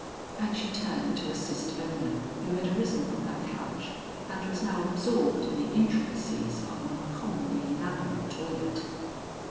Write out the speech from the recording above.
'" And she turned to assist Ona, who had arisen from her couch and was now absorbed in the intricacies of an uncommonly elaborate toilet.